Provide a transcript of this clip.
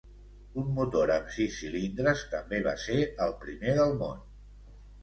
Un motor amb sis cilindres també va ser el primer del món.